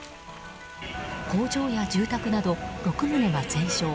工場や住宅など６棟が全焼。